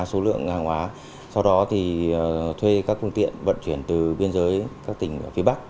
số lượng hàng hóa sau đó thì thuê các phương tiện vận chuyển từ biên giới các tỉnh phía bắc